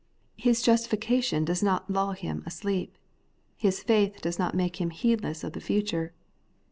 His justifica tion does not lull him asleep. His faith does not make him heedless of the future.